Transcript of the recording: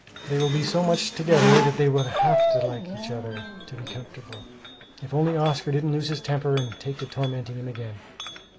They will be so much together that they will have to like each other to be comfortable. If only Oscar doesn't lose his temper and take to tormenting him again!"